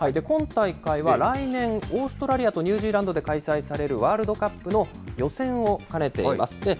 今大会は来年、オーストラリアとニュージーランドで開催されるワールドカップの予選を兼ねています。